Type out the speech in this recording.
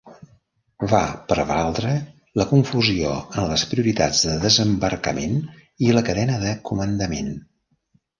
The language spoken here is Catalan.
Va prevaldre la confusió en les prioritats de desembarcament i la cadena de comandament.